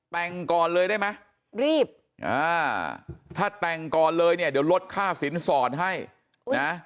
แต่งก่อนเลยได้ไหมรีบอ่าถ้าแต่งก่อนเลยเนี่ยเดี๋ยวลดค่าสินสอดให้นะ